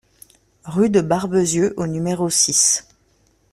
Rue de Barbezieux au numéro six